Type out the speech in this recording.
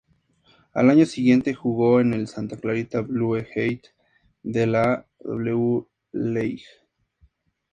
Al año siguiente jugó en el Santa Clarita Blue Heat, de la W-League.